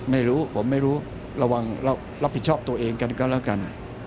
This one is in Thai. ไม่รู้ผมไม่รู้ระวังรับผิดชอบตัวเองกันก็แล้วกัน